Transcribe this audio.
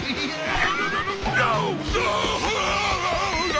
あ。